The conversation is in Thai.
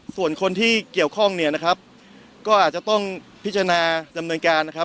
ส่วนคนที่เกี่ยวข้องเนี่ยนะครับก็อาจจะต้องพิจารณาดำเนินการนะครับ